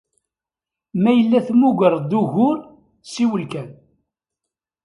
Ma yella tmuggreḍ-d ugur, siwel kan.